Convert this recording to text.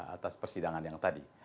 atas persidangan yang tadi